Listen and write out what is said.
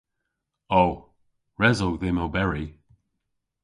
O. Res o dhymm oberi.